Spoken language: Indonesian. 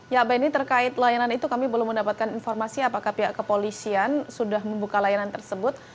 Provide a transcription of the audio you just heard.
ya benny terkait layanan itu kami belum mendapatkan informasi apakah pihak kepolisian sudah membuka layanan tersebut